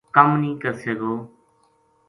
کم نیہہ کرسے گو